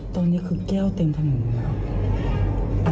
ตอนนี้คือแก้วเต็มทั้งหมู